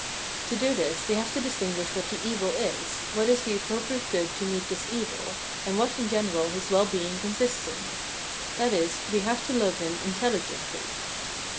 To do this we have to distinguish what the evil is, what is the appropriate good to meet this evil, and what in general his well being consists in ; i.e. we have to love him intelligently.